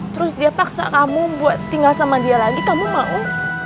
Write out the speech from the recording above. terus dia paksa kamu buat tinggal sama dia lagi kamu mau